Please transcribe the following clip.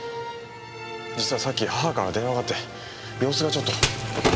実はさっき母から電話があって様子がちょっと。